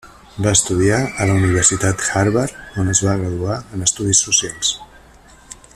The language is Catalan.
Va estudiar a la Universitat Harvard, on es va graduar en Estudis Socials.